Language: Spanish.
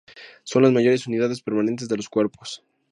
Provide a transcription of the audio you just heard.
Son las mayores unidades permanentes de los cuerpos.